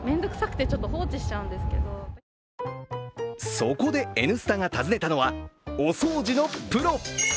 そこで「Ｎスタ」が訪ねたのはお掃除のプロ。